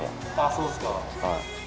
そうですか。